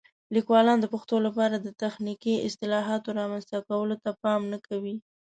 لیکوالان د پښتو لپاره د تخنیکي اصطلاحاتو رامنځته کولو ته پام نه کوي.